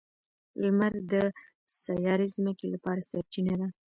• لمر د سیارې ځمکې لپاره سرچینه ده.